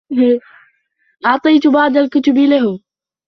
أعطيت بعض الكتب له.